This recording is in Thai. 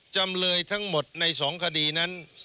จำเลยทั้งหมดใน๒คดีนั้น